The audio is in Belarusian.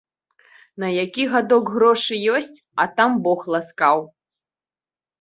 На які гадок грошы ёсць, а там бог ласкаў.